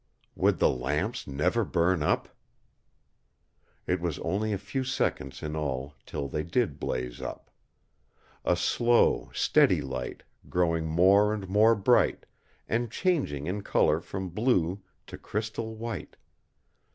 Would the lamps never burn up! It was only a few seconds in all till they did blaze up. A slow, steady light, growing more and more bright, and changing in colour from blue to crystal white.